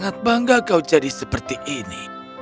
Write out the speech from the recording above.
saya bangga karena dia tercepat e civilovan